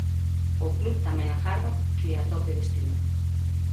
O club tamén agarda que atope destino.